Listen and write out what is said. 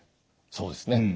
そうですね。